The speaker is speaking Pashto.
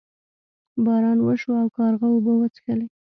باران وشو او کارغه اوبه وڅښلې.